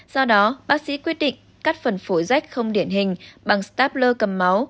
do đó bác sĩ quyết định cắt phần phổi rách không điển hình bằng startpler cầm máu